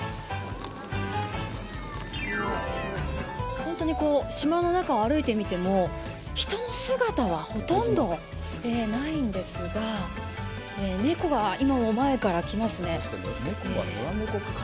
本当に島の中を歩いてみても、人の姿はほとんどないんですが、ネコは今も前から来ますね。